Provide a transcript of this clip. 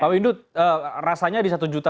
pak windu rasanya di satu juta